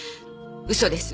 嘘です。